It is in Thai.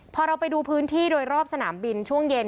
พอเราไปดูพื้นที่โดยรอบสนามบินช่วงเย็น